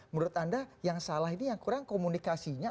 menurut anda yang salah ini yang kurang komunikasinya